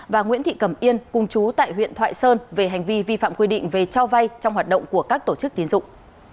và nguyễn thị cẩm yên cùng chú tại huyện thoại sơn về hành vi vi phạm quy định về cho vay trong hoạt động của các tổ chức tiến dụng